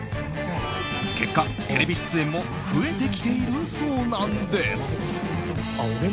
結果、テレビ出演も増えてきているそうなんです。